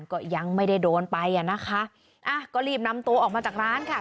ก็ยังไม่ได้โดนไปอ่ะนะคะอ่ะก็รีบนำตัวออกมาจากร้านค่ะ